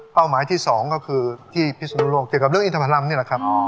หมายที่๒ก็คือที่พิศนุโลกเกี่ยวกับเรื่องอินธรรมรำนี่แหละครับ